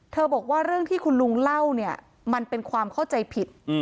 บอกว่าเรื่องที่คุณลุงเล่าเนี่ยมันเป็นความเข้าใจผิด